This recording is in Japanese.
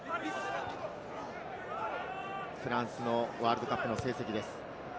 フランスのワールドカップの成績です。